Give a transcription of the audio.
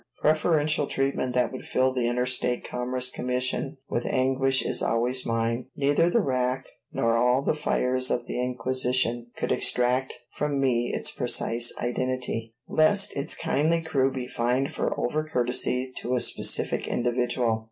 Preferential treatment that would fill the Interstate Commerce Commission with anguish is always mine. Neither the rack nor all the fires of the Inquisition could extract from me its precise identity, lest its kindly crew be fined for overcourtesy to a specific individual.